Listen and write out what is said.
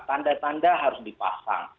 tanda tanda harus dipasang